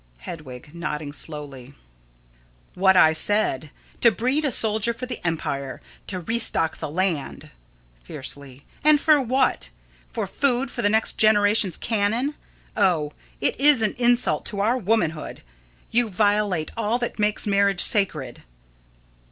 Hedwig: [Nodding slowly.] What I said to breed a soldier for the empire; to restock the land. [Fiercely.] And for what? For food for the next generation's cannon. Oh, it is an insult to our womanhood! You violate all that makes marriage sacred!